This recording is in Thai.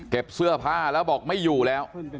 เสื้อผ้าแล้วบอกไม่อยู่แล้ว